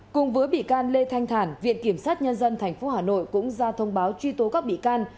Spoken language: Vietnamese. cùng với bị can lê thanh thản viện kiểm sát nhân dân tp hà nội cũng ra thông báo truy tố các bị can